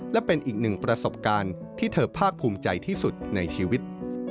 และเป็นอีกหนึ่งประสบการณ์ที่เธอภาคภูมิใจที่สุดในชีวิต